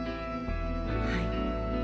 はい。